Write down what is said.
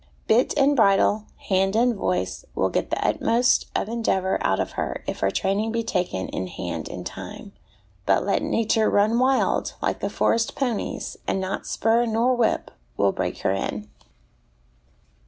Bit and bridle, hand and voice, will get the utmost of endeavour out of her if her training be taken in hand in time ; but let Nature run wild, like the forest ponies, and not spur nor whip will break her in.